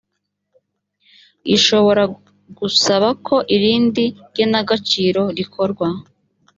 ishobora gusaba ko irindi genagaciro rikorwa